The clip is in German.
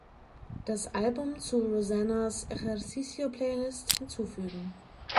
Das Album zu Rosannas ejercicio-Playlist hinzufügen.